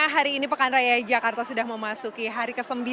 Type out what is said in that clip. hari ini pekan raya jakarta sudah memasuki hari ke sembilan